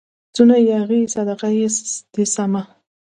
څونه ياغي يې صدقه دي سمه